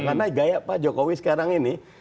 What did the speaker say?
karena gaya pak jokowi sekarang ini